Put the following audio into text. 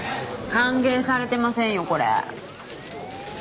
歓迎されてませんよこれ。